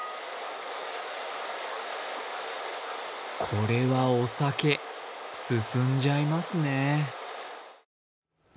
これはお酒、進んじゃいますね。